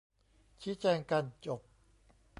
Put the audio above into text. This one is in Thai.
ชี้แจงกัน จบ